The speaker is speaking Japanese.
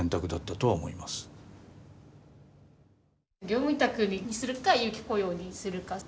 業務委託にするか有期雇用にするか。